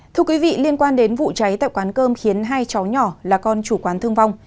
thưa quý vị liên quan đến vụ cháy tại quán cơm khiến hai cháu nhỏ là con chủ quán thương vong